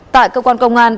tại cơ quan công an